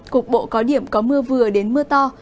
cục bộ có điểm có mưa vừa đến mưa to